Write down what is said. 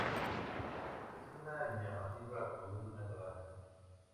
Es una llamativa columna dorada.